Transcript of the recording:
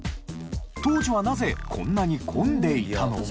当時はなぜこんなに混んでいたのか？